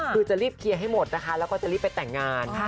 คือจะรีบเคลียร์ให้หมดนะคะแล้วก็จะรีบไปแต่งงาน